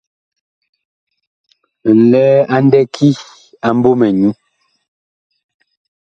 Nlɛɛ a ndɛki a MBƆMƐ nyu.